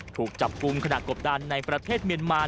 ถูกจับกลุ่มขณะกบดันในประเทศเมียนมา